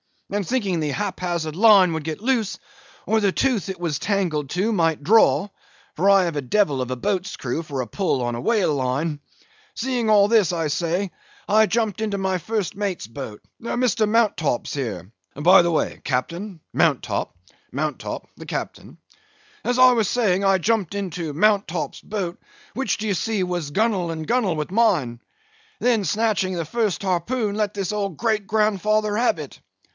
And thinking the hap hazard line would get loose, or the tooth it was tangled to might draw (for I have a devil of a boat's crew for a pull on a whale line); seeing all this, I say, I jumped into my first mate's boat—Mr. Mounttop's here (by the way, Captain—Mounttop; Mounttop—the captain);—as I was saying, I jumped into Mounttop's boat, which, d'ye see, was gunwale and gunwale with mine, then; and snatching the first harpoon, let this old great grandfather have it.